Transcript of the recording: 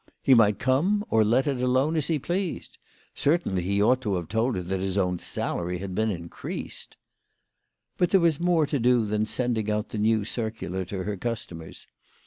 He might come or let it alone, as he pleased, certainly he ought to have told her that his own salary had been increased ! But there was more to do than sending out the new circular to her customers.